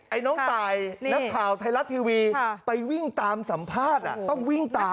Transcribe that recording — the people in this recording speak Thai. น้องตายนักข่าวไทยรัฐทีวีไปวิ่งตามสัมภาษณ์ต้องวิ่งตาม